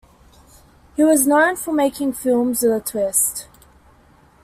He was known for making films with a twist.